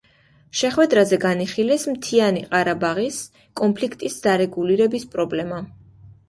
შეხვედრაზე განიხილეს მთიანი ყარაბაღის კონფლიქტის დარეგულირების პრობლემა და დღის წესრიგის საკითხები.